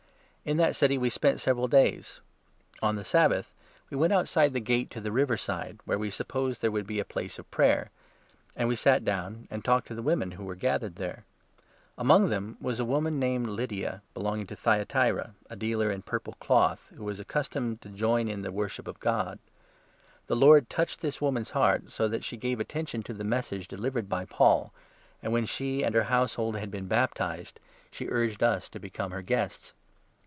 In that city we spent several days. On the Sabbath we 13 went outside the gate to the river side, where we supposed there would be a Place of Prayer ; and we sat down and talked to the women who were gathered there. Among 14 them was a woman, named Lydia, belonging to Thyatira, a dealer in purple cloth, who was accustomed to join in the worship of God. The Lord touched this woman's heart, so that she gave attention to the Message delivered by Paul, and, 15 when she and her household had been baptized, she urged us to become her guests.